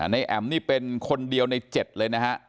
แอ๋มนี่เป็นคนเดียวใน๗เลยนะฮะ